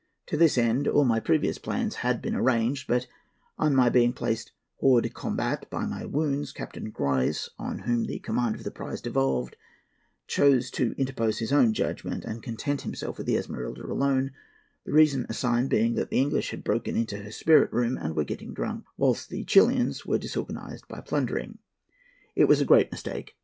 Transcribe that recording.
To this end all my previous plans had been arranged; but, on my being placed hors de combat by my wounds, Captain Gruise, on whom the command of the prize devolved, chose to interpose his own judgment and content himself with the Esmeralda alone; the reason assigned being that the English had broken into her spirit room and were getting drunk, whilst the Chilians were disorganized by plundering. It was a great mistake.